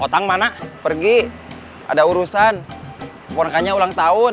otang mana pergi ada urusan ponakannya ulang tahun